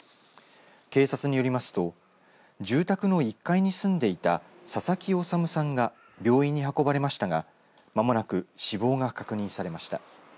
警察によりますと住宅の１階に住んでいた佐々木修さんが病院に運ばれましたがまもなく死亡が確認されました。